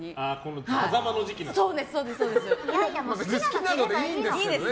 狭間の時期なんですね。